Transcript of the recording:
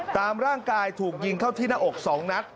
ตามร่างกายถูกยิงเข้าที่หน้าอก๒นัด